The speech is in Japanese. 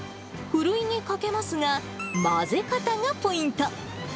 ふるいにかけますが、混ぜ方がポイント。